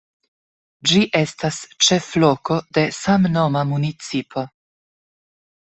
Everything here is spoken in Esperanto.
Ĝi estas ĉefloko de samnoma municipo.